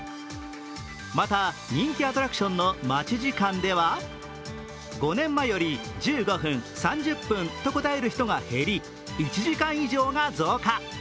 また、人気アトラクションの待ち時間では５年前より１５分、３０分と答える人が減り、１時間以上が増加。